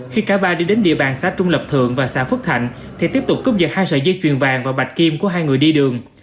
khi cả ba đi đến địa bàn xã trung lập thượng và xã phước thạnh thì tiếp tục cướp giật hai sợi dây chuyền vàng và bạch kim của hai người đi đường